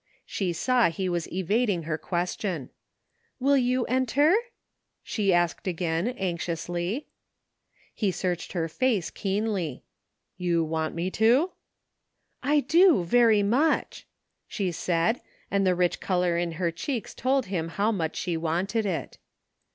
She saw he was evading her question. " You will enter? " she asked again anxiously. He searched her face keenly. You want me to? " I do, very much," she said, and the rich color in her cheeks told him how much she wanted it.